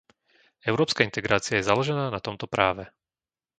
Európska integrácia je založená na tomto práve.